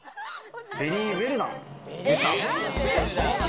ベリーウェルダンでした。